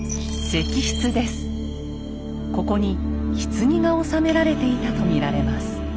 ここにひつぎが納められていたと見られます。